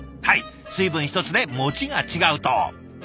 はい水分一つでもちが違うと。